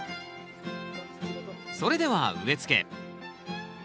それでは植えつけ。